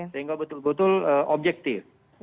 sehingga betul betul objektif